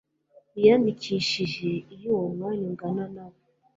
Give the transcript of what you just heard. biyandikishije iyo uwo mwanya ungana na